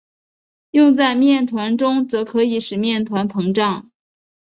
用在面团中则可以使面团膨胀。